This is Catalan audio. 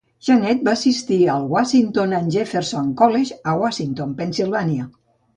Jeannette va assistir al Washington and Jefferson College, a Washington, Pennsilvània.